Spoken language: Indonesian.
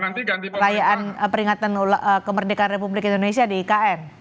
nanti perayaan peringatan kemerdekaan republik indonesia di ikn